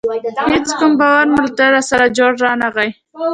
هیڅ کوم باوري موټروان راسره جوړ رانه غی.